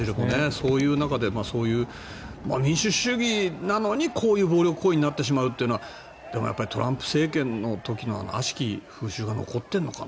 そういう中で民主主義なのにこういう暴力行為になってしまうというのはでも、トランプ政権の時の悪しき風習が残っているのかな。